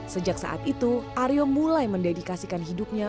sejak saat itu aryo mulai mendedikasikan hidupnya